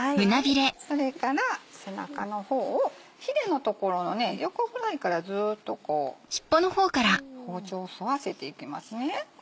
それから背中の方をひれの所の横ぐらいからずっとこう包丁を沿わせていきますね。